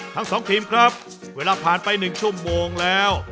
ทั้งสองทีมครับเวลาผ่านไป๑ชั่วโมงแล้ว